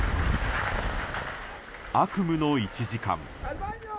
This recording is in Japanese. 悪夢の１時間。